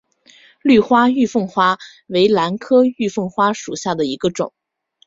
绿花玉凤花为兰科玉凤花属下的一个种。